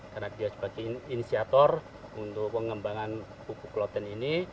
karena dia sebagai inisiator untuk pengembangan popok kloten ini